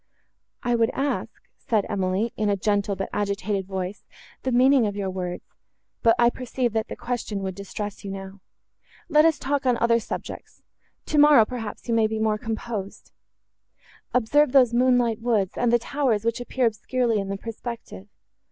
"I would ask," said Emily, in a gentle, but agitated voice, "the meaning of your words; but I perceive, that the question would distress you now. Let us talk on other subjects. Tomorrow, perhaps, you may be more composed. Observe those moonlight woods, and the towers, which appear obscurely in the perspective.